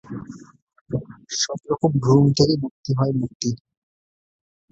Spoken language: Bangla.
সব রকম ভ্রম থেকে মুক্ত হওয়াই মুক্তি।